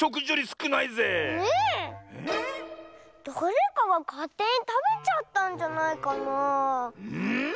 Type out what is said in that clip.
だれかがかってにたべちゃったんじゃないかなあ。